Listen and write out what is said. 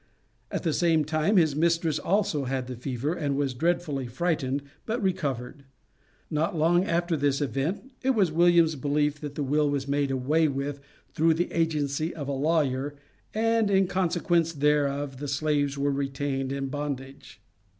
At the same time his mistress also had the fever, and was dreadfully frightened, but recovered. Not long after this event it was William's belief that the will was made away with through the agency of a lawyer, and in consequence thereof the slaves were retained in bondage.